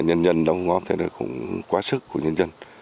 nhân dân đóng góp thế này cũng quá sức của nhân dân